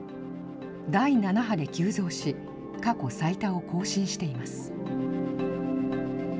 第７波で急増し、過去最多を更新しています。